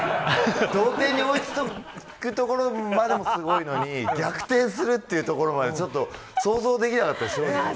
同点に追い付くところまでもすごいのに逆転するっていうところまでちょっと想像できなかったです。